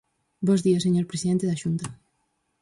Bos días, señor presidente da Xunta.